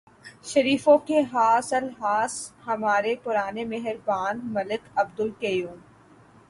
شریفوں کے خاص الخاص ہمارے پرانے مہربان ملک عبدالقیوم۔